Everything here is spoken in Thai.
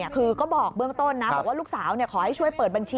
คือก็บอกเบื้องต้นนะบอกว่าลูกสาวขอให้ช่วยเปิดบัญชี